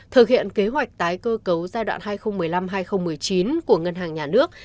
thực hiện kế hoạch tái cơ cấu giai đoạn hai nghìn một mươi năm hai nghìn một mươi chín của ngân hàng nhà nước